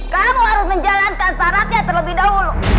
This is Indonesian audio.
kamu harus menjalankan syaratnya terlebih dahulu